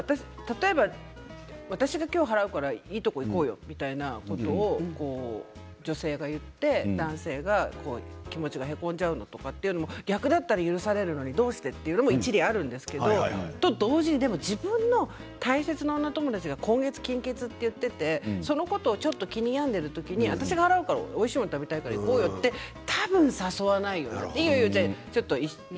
私が今日払うからいいところに行こうよということを女性が言って男性が気持ちがへこんじゃうというのも逆だったら許されるのにどうして？というのも一理あるんですけどそれと同時に自分の大切な女友達が今月、金欠と言っていてそのことを気に病んでいる時私が払うからおいしいもの食べたいから行こうよと多分、誘わないと。